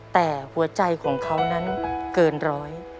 แต่หัวใจของเขานั้นเกินร้อย